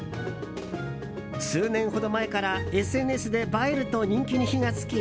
数年ほど前からＳＮＳで映えると人気に火が付き